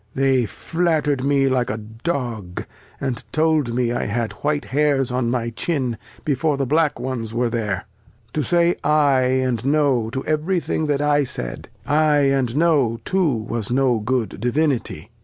They fiat ter'd me like a Dog, and told me I had white Hairs on my Chin, before the black ones were there ; to say ay and no to every Thing that I said : Ay and no too was no good Divinity.